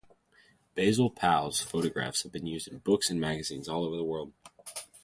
Basil Pao's photographs have been used in books and magazines all over the world.